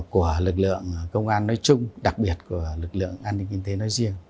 của lực lượng công an nói chung đặc biệt của lực lượng an ninh kinh tế nói riêng